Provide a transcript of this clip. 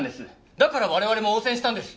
だから我々も応戦したんです。